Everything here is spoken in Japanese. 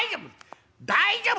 「大丈夫！